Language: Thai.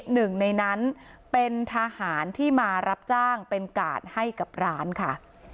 หนึ่งในนั้นเป็นทหารที่มารับจ้างเป็นกาดให้กับร้านค่ะ